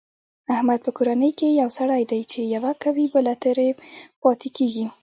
احمد په کورنۍ کې یو سری دی، چې یوه کوي بله ترې پاتې کېږي.